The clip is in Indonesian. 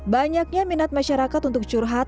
banyaknya minat masyarakat untuk curhat